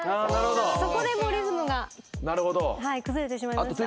そこでもうリズムが崩れてしまいました。